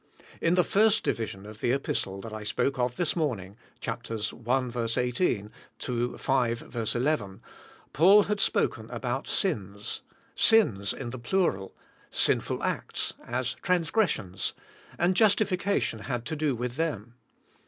In the first division of the Epistle that I spoke of this morning — chapters 1:18 to 5:11 — Paul had spoken about sins, sins in the plural, sinful acts, as transgressions, and justification had to do with them.